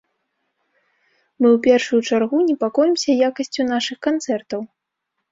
Мы, ў першую чаргу, непакоімся якасцю нашых канцэртаў.